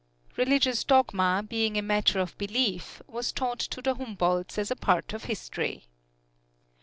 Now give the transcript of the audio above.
Religious dogma, being a matter of belief, was taught to the Humboldts as a part of history.